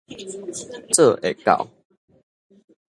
做會到